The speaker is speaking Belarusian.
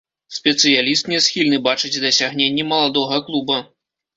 Спецыяліст не схільны бачыць дасягненні маладога клуба.